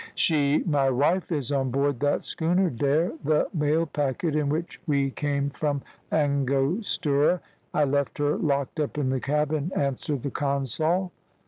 "She, my wife, is on board that schooner dere, the mail packet, in which we came from Angostura. I left her locked up in the cabin," answered the consul.